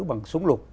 bằng súng lục